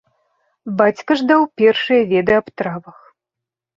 Бацька ж даў першыя веды аб травах.